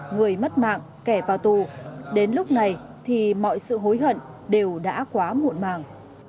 người mất mạng kẻ vào tù đến lúc này thì mọi sự hối hận đều đã quá muộn màng